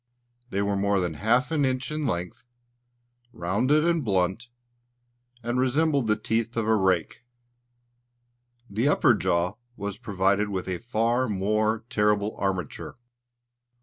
They were more than half an inch in length, rounded and blunt, and resembled the teeth of a rake. The upper jaw was provided with a far more terrible armature.